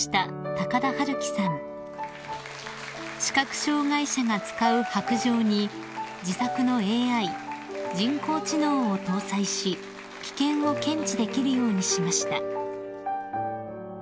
［視覚障害者が使う白じょうに自作のＡＩ人工知能を搭載し危険を検知できるようにしました］